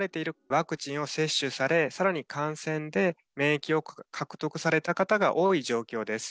ワクチンを接種され、さらに感染で免疫を獲得された方が多い状況です。